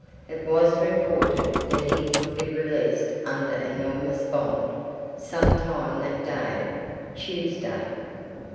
It was reported that he would be released under enormous bond, some time that day, Tuesday.